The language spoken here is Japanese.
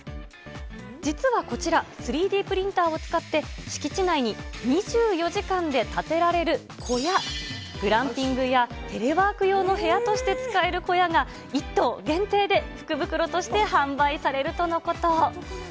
実はこちら、３Ｄプリンターを使って敷地内に２４時間で建てられる小屋、グランピングやテレワーク用の部屋として使える小屋が、１棟限定で福袋として販売されるとのこと。